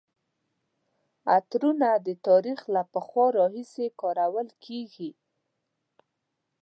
عطرونه د تاریخ له پخوا راهیسې کارول کیږي.